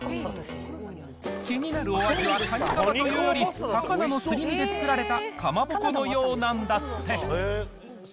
気になるお味はカニカマというより魚のすり身で作られたかまぼこのようなんだって。